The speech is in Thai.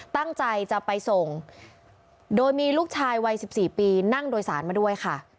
ตั้งใจจะไปส่งโดยมีลูกชายวัย๑๔ปีนั่งโดยสารมาด้วยค่ะ